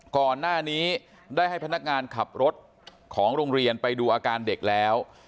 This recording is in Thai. ก่อนหน้านี้ได้ให้พนักงานขับรถของโรงเรียนไปดูอาการเด็กแล้ว